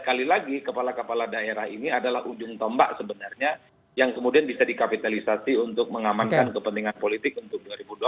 sekali lagi kepala kepala daerah ini adalah ujung tombak sebenarnya yang kemudian bisa dikapitalisasi untuk mengamankan kepentingan politik untuk dua ribu dua puluh empat